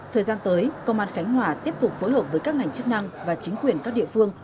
thời gian tới công an khánh hòa tiếp tục phối hợp với các ngành chức năng và chính quyền các địa phương